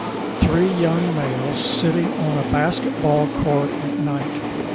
three young males sitting on a basketball court at night